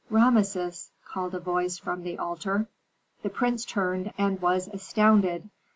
"Rameses!" called a voice from the altar. The prince turned and was astounded.